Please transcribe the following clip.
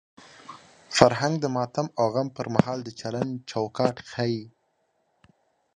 فرهنګ د ماتم او غم پر مهال د چلند چوکاټ ښيي.